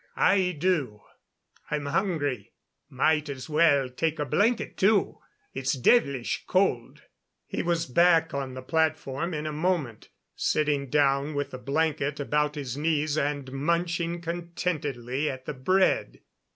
I do. I'm hungry. Might as well take a blanket, too. It's devilish cold." He was back on the platform in a moment, sitting down with the blanket about his knees and munching contentedly at the bread.